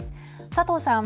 佐藤さん。